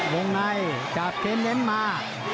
วงในจับเค้นเน้นมา